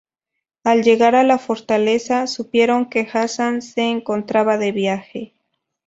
Al llegar a la fortaleza, supieron que Hasan se encontraba de viaje.